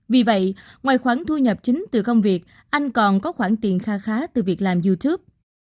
vì vậy ngoài khoản thu nhập chính từ công việc anh còn có khoản tiền khá khá từ việc làm youtube